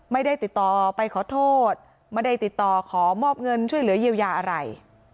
ไม่ได้ติดต่อไปขอโทษไม่ได้ติดต่อขอมอบเงินช่วยเหลือเยียวยาอะไร